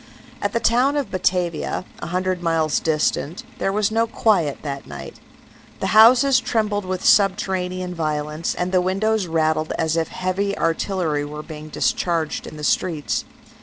"At the town of Batavia, a hundred miles distant, there was no quiet that night. The houses trembled with subterranean violence, and the windows rattled as if heavy artillery were being discharged in the streets.